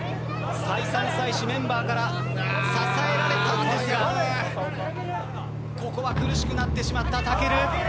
メンバーから支えられたんですがここは苦しくなってしまったたける。